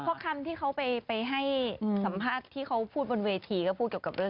เพราะคำที่เค้าไปให้สัมภาษณ์เขาพูดบนเวทีก็พูดเรื่องให้